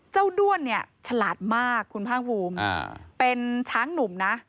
เจ้าด้วนฉลาดมากคุณพ่างภูมิเป็นช้างหนุ่มนะ